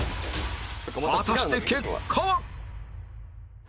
果たして結果は？